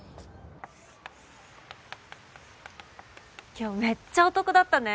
今日めっちゃお得だったね。